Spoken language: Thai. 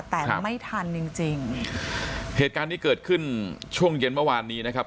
แต่ไม่ทันจริงจริงเหตุการณ์นี้เกิดขึ้นช่วงเย็นเมื่อวานนี้นะครับ